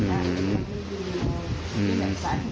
และมันไม่ดีอย่างสาเหตุ